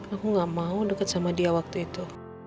aku gak mau deket sama dia waktu itu